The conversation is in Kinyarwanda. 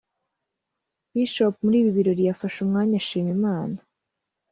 Bishop muri ibi birori yafashe umwanya ashima Imana